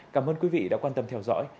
cảm ơn quý vị đã quan tâm theo dõi